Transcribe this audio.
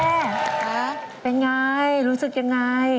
แม่เป็นไงรู้สึกอย่างไร